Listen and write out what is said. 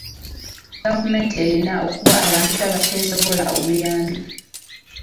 Gavumenti erina okuwa abantu abateesobola obuyambi.